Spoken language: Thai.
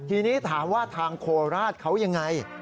ทีนี้ถามว่าทางโคราชเขายังไง